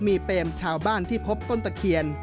มีเปรมชาวบ้านที่พบต้นตะเคียน